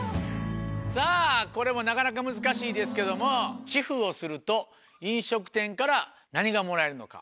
さぁこれもなかなか難しいですけども寄付をすると飲食店から何がもらえるのか？